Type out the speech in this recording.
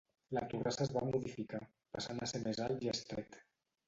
La torrassa es va modificar, passant a ser més alt i estret.